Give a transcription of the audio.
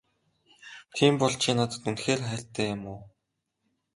Тийм бол чи надад үнэхээр хайртай юм уу?